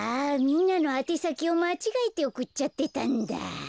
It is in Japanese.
みんなのあてさきをまちがえておくっちゃってたんだ。